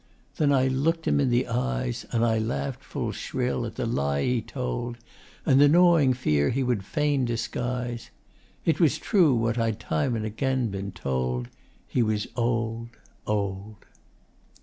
Then I look'd him in the eyes, And I laugh'd full shrill at the lie he told And the gnawing fear he would fain disguise. It was true, what I'd time and again been told: He was old old.